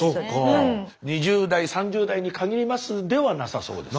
２０代３０代に限りますではなさそうです。